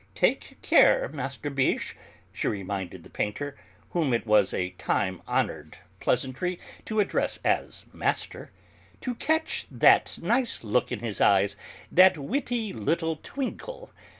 "Take care, Master Biche," she reminded the painter, whom it was a time honoured pleasantry to address as 'Master,' "to catch that nice look in his eyes, that witty little twinkle.